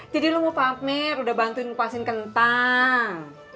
jadi lo mau pamer udah bantuin kupasin kentang